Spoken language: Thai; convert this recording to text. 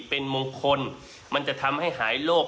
เป็นมงคลมันจะทำให้หายโลก